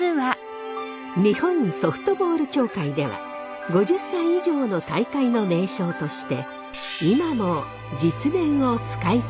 日本ソフトボール協会では５０歳以上の大会の名称として今も実年を使い続けています。